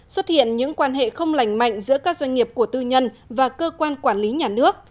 xuất hiện những quan hệ không lành mạnh giữa các doanh nghiệp của tư nhân và cơ quan quản lý nhà nước